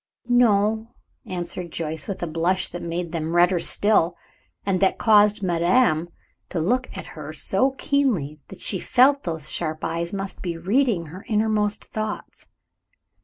"No," answered Joyce, with a blush that made them redder still, and that caused madame to look at her so keenly that she felt those sharp eyes must be reading her inmost thoughts.